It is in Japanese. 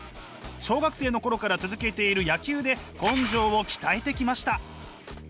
小学生の頃から続けている野球で根性を鍛えてきました。